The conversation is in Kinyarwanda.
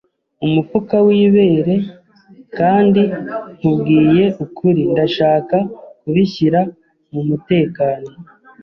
umufuka w'ibere; kandi nkubwize ukuri, ndashaka kubishyira mu mutekano. ”